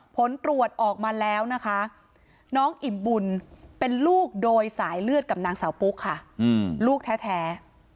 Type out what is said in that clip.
ผลตรวจออกมาแล้วนะคะน้องอิ่มบุญเป็นลูกโดยสายเลือดกับนางสาวปุ๊กค่ะลูกแท้